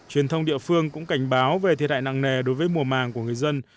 huyền thông địa phương cũng cảnh báo về thời đại nặng nề đối với mùa màng của người dân